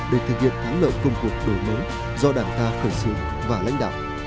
để thực hiện thắng lợi công cuộc tổ nữ do đảng ta khởi xử và lãnh đạo